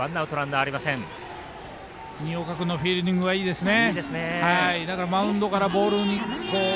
新岡君のフィールディングいいですね。